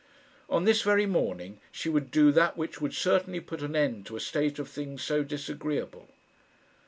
On this very morning she would do that which should certainly put an end to a state of things so disagreeable.